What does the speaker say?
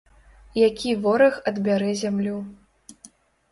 Які вораг адбярэ зямлю?